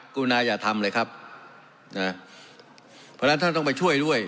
รุณาอย่าทำเลยครับนะเพราะฉะนั้นท่านต้องไปช่วยด้วย